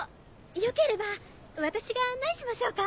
よければ私が案内しましょうか？